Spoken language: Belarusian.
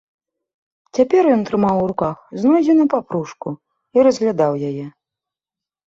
Цяпер ён трымаў у руках знойдзеную папружку і разглядаў яе.